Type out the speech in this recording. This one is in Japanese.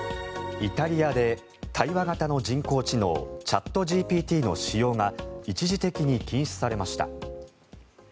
イタリアで対話型の人工知能チャットＧＰＴの使用が一時的に禁止されました。